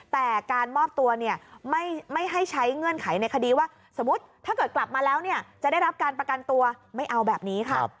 แต่การมอบตัวเนี่ยไม่ให้ใช้เงื่อนไขในคดีว่าสมมุติถ้าเกิดกลับมาแล้วเนี่ยจะได้รับการประกันตัวไม่เอาแบบนี้ค่ะ